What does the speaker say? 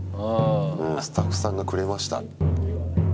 スタッフさんがくれました。